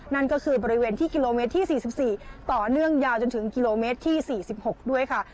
นั่นก็คือบริเวณที่กิโลเมตรที่๔๔ต่อเนื่องยาวจนถึงกิโลเมตรที่๔๖ด้วยค่ะ